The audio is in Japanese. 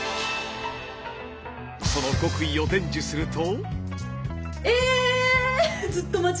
その極意を伝授すると。